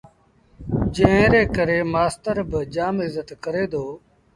جݩهݩ ري ڪري مآستر با جآم ازت ڪري دو